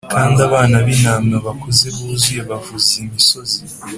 kandi abana b'intama bakuze buzuye bavuza imisozi;